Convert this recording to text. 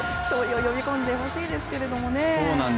勝利を呼び込んでほしいですけどもね。